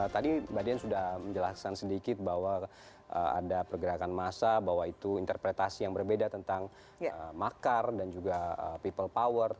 tadi mbak dian sudah menjelaskan sedikit bahwa ada pergerakan massa bahwa itu interpretasi yang berbeda tentang makar dan juga people power